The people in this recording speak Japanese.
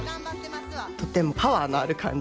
とてもパワーのある感じ。